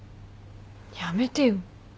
やめてよ